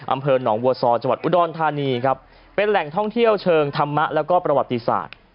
อำเภอหนองบัวซอจังหวัดอุดรธานีครับเป็นแหล่งท่องเที่ยวเชิงธรรมะแล้วก็ประวัติศาสตร์